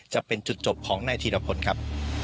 จะเป็นจุดจบของนายธีรพลครับ